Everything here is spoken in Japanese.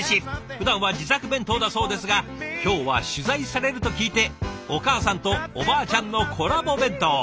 ふだんは自作弁当だそうですが今日は取材されると聞いてお母さんとおばあちゃんのコラボ弁当。